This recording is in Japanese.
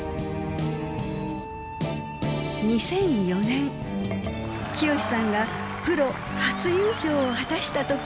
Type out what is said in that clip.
２００４年聖志さんがプロ初優勝を果たした時。